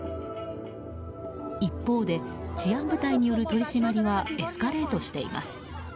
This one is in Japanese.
一方で治安部隊による取り締まりはエスカレートしています。